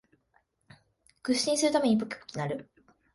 屈伸するたびにポキポキ鳴る